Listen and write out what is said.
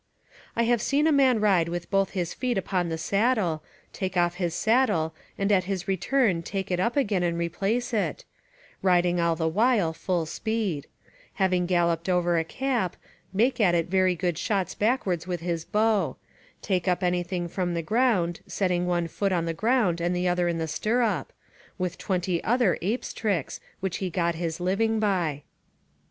I have seen a man ride with both his feet upon the saddle, take off his saddle, and at his return take it up again and replace it, riding all the while full speed; having galloped over a cap, make at it very good shots backwards with his bow; take up anything from the ground, setting one foot on the ground and the other in the stirrup: with twenty other ape's tricks, which he got his living by.